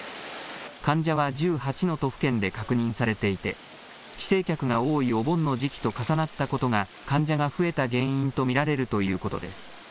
患者は１８の都府県で確認されていて帰省客が多いお盆の時期と重なったことが患者が増えた原因と見られるということです。